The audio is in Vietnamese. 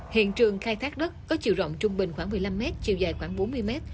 hiện trường khai thác đất có chiều rộng trung bình khoảng một mươi năm mét chiều dài khoảng bốn mươi mét